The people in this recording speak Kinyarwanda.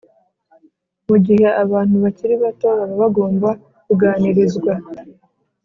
mugihe abantu bakiri bato baba bagomba kuganirizwa